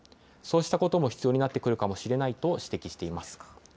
そうしたことも必要になってくるかもしれないと指摘しています。